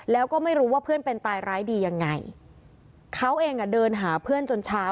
แล้วก็ไม่รู้ว่าเพื่อนเป็นตายร้ายดียังไงเขาเองอ่ะเดินหาเพื่อนจนเช้า